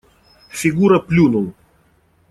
Фигура плюнул.